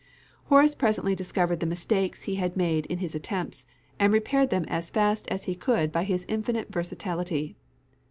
Horace presently discovered the mistakes he had made in his attempts, and repaired them as fast as he could by his infinite versatility.